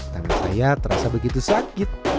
tangan saya terasa begitu sakit